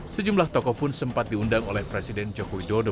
sejumlah tokoh pun sempat diundang oleh presiden joko widodo